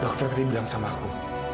dokter tadi bilang sama aku